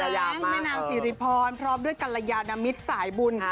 แก๊งแม่นางสิริพรพร้อมด้วยกัลยานมิตรสายบุญ